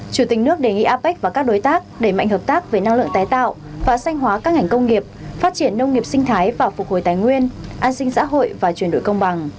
chủ tịch nước đề nghị apec và các đối tác đẩy mạnh hợp tác về năng lượng tái tạo và sanh hóa các ngành công nghiệp phát triển nông nghiệp sinh thái và phục hồi tài nguyên an sinh xã hội và chuyển đổi công bằng